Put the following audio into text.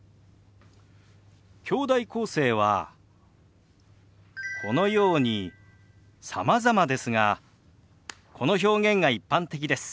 きょうだい構成はこのようにさまざまですがこの表現が一般的です。